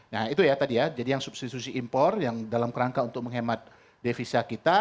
nah itu ya tadi ya jadi yang substitusi impor yang dalam kerangka untuk menghemat devisa kita